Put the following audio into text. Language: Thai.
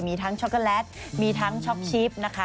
มีทั้งช็อกโกแลตมีทั้งช็อกชิปนะคะ